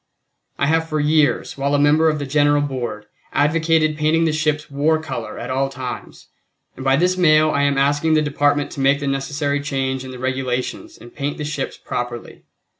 I have for years, while a member of the General Board, advocated painting the ships war color at all times, and by this mail I am asking the Department to make the necessary change in the Regulations and paint the ships properly.